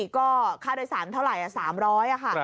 ก็ค่าโดยสารเท่าไหร่๓๐๐ค่ะ